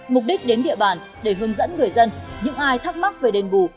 mục đích đến địa bàn để hướng dẫn người dân những ai thắc mắc về đền bù